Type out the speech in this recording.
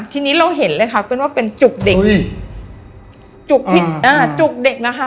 ทีนี้เราเห็นเลยค่ะเป็นว่าเป็นจุกเด็กจุกที่อ่าจุกเด็กนะคะ